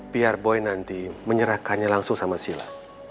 biar boy nanti menyerahkannya langsung sama sila